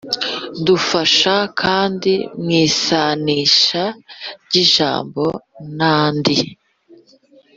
Dufasha kandi mu isanisha ry’ijambo n’andi